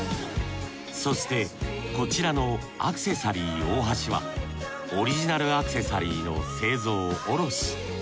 そしてこちらのアクセサリー大橋はオリジナルアクセサリーの製造・卸し。